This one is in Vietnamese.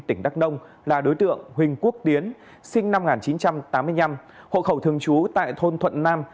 tỉnh đắk nông là đối tượng huỳnh quốc tiến sinh năm một nghìn chín trăm tám mươi năm hộ khẩu thường trú tại thôn thuận nam